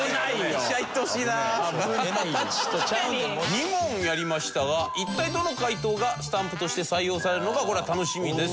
２問やりましたが一体どの解答がスタンプとして採用されるのかこれは楽しみです。